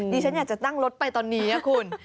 ฉันอยากจะนั่งรถไปตอนนี้นะคุณ